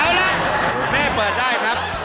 เอาล่ะแม่เปิดได้ครับ